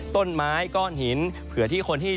ต้นไม้ก้อนหินเผื่อที่คนที่